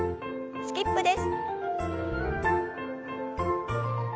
スキップです。